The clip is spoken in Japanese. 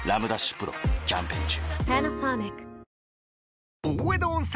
丕劭蓮キャンペーン中